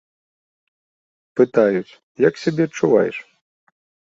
Пытаюць, як сябе адчуваеш.